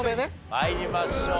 参りましょう。